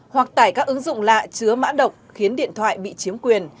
hoặc tải các ứng dụng lạ chứa mã độc khiến điện thoại bị chiếm quyền